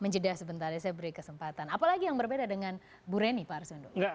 menjeda sebentar ya saya beri kesempatan apalagi yang berbeda dengan bu reni pak arsindo